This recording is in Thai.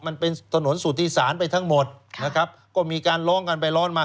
มันเป็นถนนสุธิศาลไปทั้งหมดนะครับก็มีการร้องกันไปร้องมา